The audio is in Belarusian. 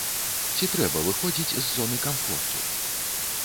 Ці трэба выходзіць з зоны камфорту?